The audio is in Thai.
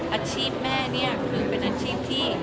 อาชีพแม่นี่คือเป็นอาชีพที่